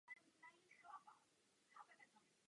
Každý má právo na svobodu náboženství, vyznání a myšlení.